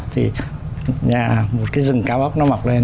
thì nhà một cái rừng cao ốc nó mọc lên